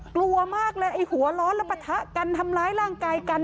กลัวมากเลยไอ้หัวร้อนแล้วปะทะกันทำร้ายร่างกายกัน